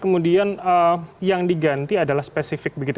kemudian yang diganti adalah spesifik begitu